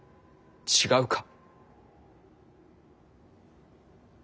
違うか。